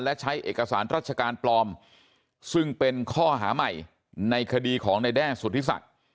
และใช้เอกสารราชการปลอมซึ่งเป็นข้อหาใหม่ในคดีของในแด้สุธิศักดิ์